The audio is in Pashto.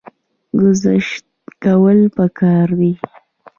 ګذشت کول پکار دي